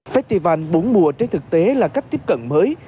festival bốn mùa trên thực tế là cách tiếp cận mới